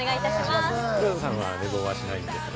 黒田さんは寝坊はしないですか？